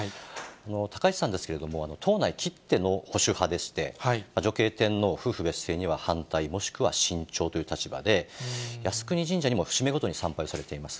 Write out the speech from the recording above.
高市さんですけれども、党内きっての保守派でして、女系天皇、夫婦別姓には反対、もしくは慎重という立場で、靖国神社にも節目ごとに参拝されています。